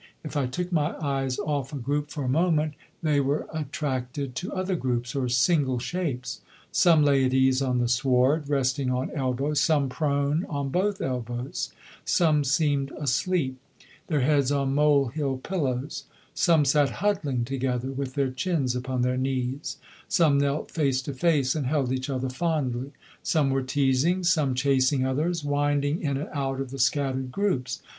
If I took my eyes off a group for a moment they were attracted to other groups or single shapes. Some lay at ease on the sward, resting on elbow; some prone, on both elbows; some seemed asleep, their heads on molehill pillows; some sat huddling together, with their chins upon their knees; some knelt face to face and held each other fondly; some were teasing, some chasing others, winding in and out of the scattered groups.